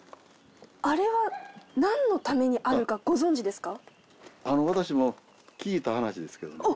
あれは何のためにあるかご存じですか？